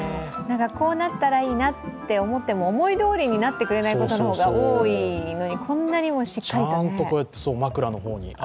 こうなったらいいなって思っても思いどおりになってくれないことが多いのに、こんなにもしっかりとねあら。